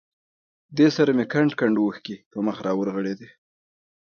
دې سره مې کنډ کنډ اوښکې پر مخ را ورغړېدې.